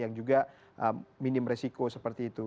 yang juga minim resiko seperti itu